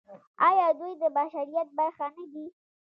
آیا دوی د بشریت برخه نه دي؟